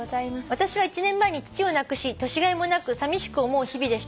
「私は１年前に父を亡くし年がいもなくさみしく思う日々でした」